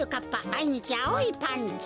まいにちあおいパンツ。